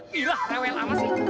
gila lewel amat sih